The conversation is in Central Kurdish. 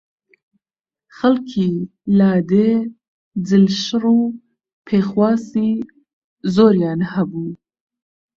خەڵکی لادێ جلشڕ و پێخواسی زۆریان هەبوو